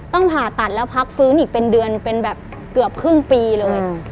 ผ่าตัดแล้วพักฟื้นอีกเป็นเดือนเป็นแบบเกือบครึ่งปีเลย